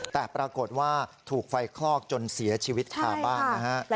แต่ปรากฏว่าถูกไฟคลอกจนเสียชีวิตคาบ้านนะฮะ